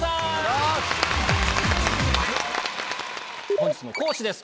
本日の講師です